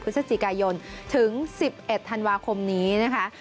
พฤศจิกายนถึง๑๑ธันวาคมนี้นะคะ